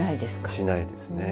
しないですね。